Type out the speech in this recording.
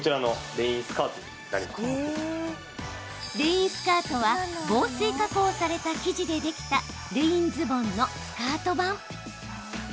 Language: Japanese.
レインスカートは防水加工された生地でできたレインズボンのスカート版。